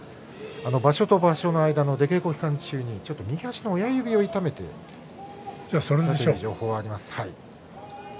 場所と場所の間の出稽古期間中に右足の親指を痛めたという情報があります。